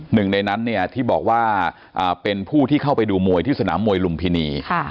หนึ่งในนั้นเนี่ยที่บอกว่าเป็นผู้ที่เข้าไปดูมวยที่สนามมวยลุมพินี